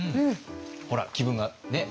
ほら気分がねっ？